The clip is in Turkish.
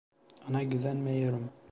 Ona güvenmiyorum.